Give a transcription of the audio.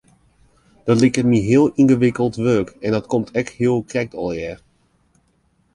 Dat liket my heel yngewikkeld wurk en dat komt ek heel krekt allegear.